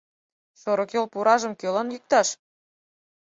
- Шорыкйол пуражым кӧлан йӱкташ?